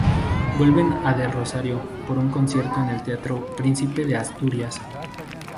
Vuelven a de Rosario por un concierto en el teatro Príncipe de Asturias.